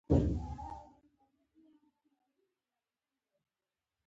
پخواني ټولنپوهان د اسطورو د محدود قدرت په اړه فکر کاوه.